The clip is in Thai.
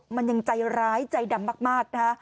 มันยังใจร้ายใจดำมากนะคะ